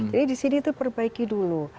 jadi disini itu perbaiki dulu